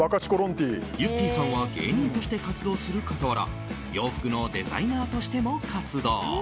ゆってぃさんは芸人として活動する傍ら洋服のデザイナーとしても活動。